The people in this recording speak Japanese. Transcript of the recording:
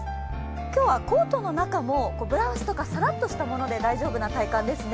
今日はコートの中もブラウスとかさらっとしたもので大丈夫な体感ですね。